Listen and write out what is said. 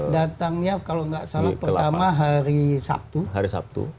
datangnya kalau nggak salah pertama hari sabtu